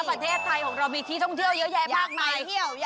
ประเทศไทยของเรามีที่ท่องเที่ยวเยอะแยะมากมายเที่ยว